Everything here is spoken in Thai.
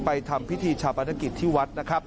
ไปทำพิธีชาวภัณฑกิจที่วัดนะครับ